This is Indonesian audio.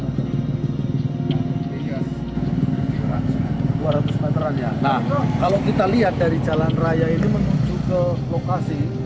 jadi ini juga membuat aksi yang dilancarkan oleh mbah selamet ini